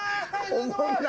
おもんな。